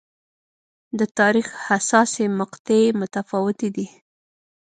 د تاریخ حساسې مقطعې متفاوتې دي.